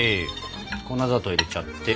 粉砂糖入れちゃって。